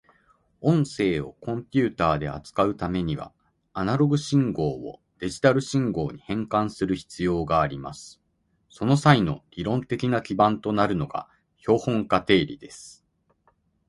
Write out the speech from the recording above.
音声をコンピュータで扱うためには、アナログ信号をデジタル信号に変換する必要があります。その際の理論的な基盤となるのが標本化定理です。